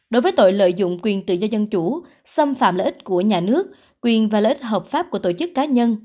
đối với tội lợi dụng quyền tự do dân chủ xâm phạm lợi ích của nhà nước quyền và lợi ích hợp pháp của tổ chức cá nhân